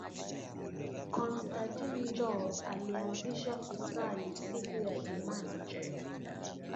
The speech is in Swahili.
Constatin njo alianzisha ku Sali siku ya dimanche